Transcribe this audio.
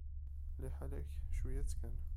Liḥala-k, cwiya-tt kan.